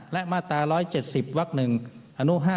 และมาตรา๑๗๐วัก๑อนุ๕